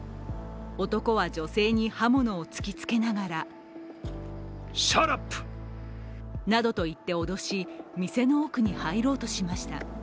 男は女性に刃物を突きつけながらなどと言って脅し、店の奥に入ろうとしました。